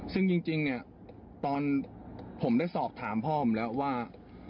ซึ่งจริงเนี่ยตอนผมได้สอบถามพ่อผมแล้วว่า